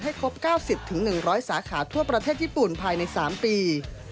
ครบ๙๐๑๐๐สาขาทั่วประเทศญี่ปุ่นภายใน๓ปี